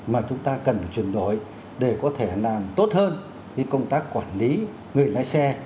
mà chúng ta cần phải chuyển đổi để có thể làm tốt hơn công tác quản lý người lái xe